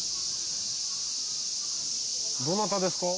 「どなたですか？」